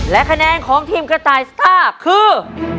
และคะแนนของทีมกระต่ายสต้าคือ